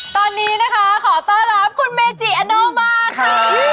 ตอนนี้นะคะขอต้อนรับคุณเมจิอโนมาค่ะ